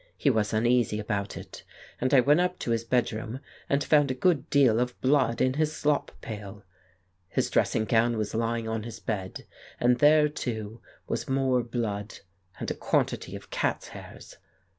He was uneasy about it, and I went up to his bed room and found a good deal of blood in his slop pail. His dressing gown was lying on his bed, and there, too, was more blood and a quantity of cat's hairs.